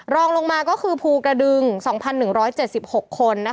รองลงมาก็คือภูกระดึง๒๑๗๖คน